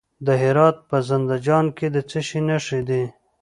د هرات په زنده جان کې د څه شي نښې دي؟